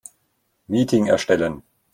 Meeting erstellen.